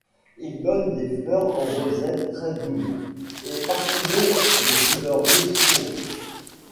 Il donne des fleurs en rosettes très doubles et parfumées de couleur rouge pourpre.